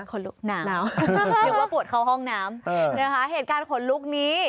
ขนลุกหนาวนึกว่าปวดเข้าห้องน้ำนะคะเหตุการณ์ขนลุกนี้